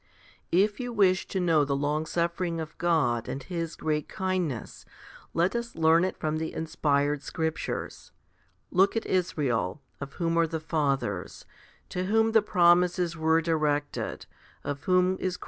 If you wish to know the longsuffering of God and His great kindness, let us learn it from the inspired scriptures. Look at Israel, of whom are the fathers, to whom the promises were directed, of whom is Christ 1 Rom. ii. 4. a Rom. ii.